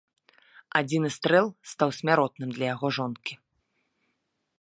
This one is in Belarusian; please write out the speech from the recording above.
Адзіны стрэл стаў смяротным для яго жонкі.